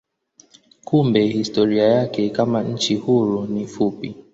Kumbe historia yake kama nchi huru ni fupi.